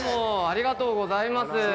ありがとうございます。